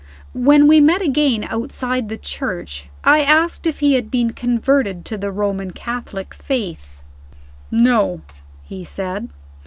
When we met again outside the church, I asked if he had been converted to the Roman Catholic faith. "No," he said.